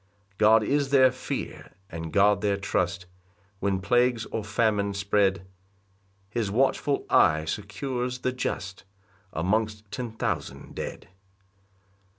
5 God is their fear, and God their trust, When plagues or famine spread, His watchful eye secures the just Amongst ten thousand dead.